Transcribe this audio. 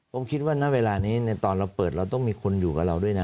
ผมคิดว่าณเวลานี้ในตอนเราเปิดเราต้องมีคนอยู่กับเราด้วยนะ